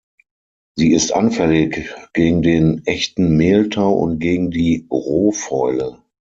Sie ist anfällig gegen den Echten Mehltau und gegen die Rohfäule.